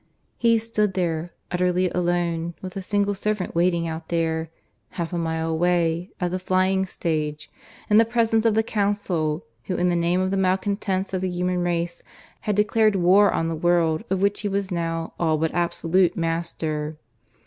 He stood there, utterly alone with a single servant waiting out there, half a mile away, at the flying stage, in the presence of the Council who in the name of the malcontents of the human race had declared war on the world of which he was now all but absolute master.